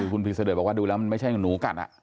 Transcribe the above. คุณพีเสด็จบอกว่าดูแล้วมันไม่ใช่หนูกัด